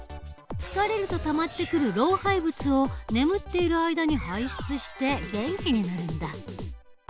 疲れるとたまってくる老廃物を眠っている間に排出して元気になるんだ。